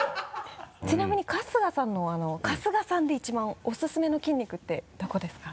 ちなみに春日さんで一番おすすめの筋肉ってどこですか？